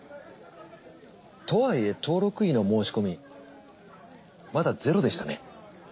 とはいえ登録医の申し込みまだゼロでしたね。